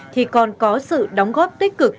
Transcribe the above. thì còn có sự đóng góp tích cực